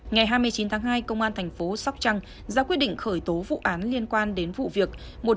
ngày hai mươi chín tháng hai công an thành phố sóc trăng ra quyết định khởi tố vụ án liên quan đến vụ việc